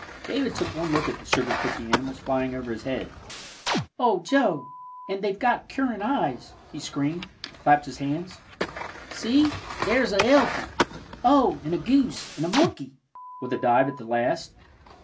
David took one look at the sugar cooky animals flying over his head. "Oh, Joe, and they've got currant eyes!" he screamed, and clapped his hands. "See, there's a el'phant! Oh, and a goose, and a monkey!" with a dive at the last.